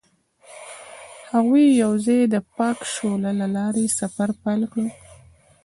هغوی یوځای د پاک شعله له لارې سفر پیل کړ.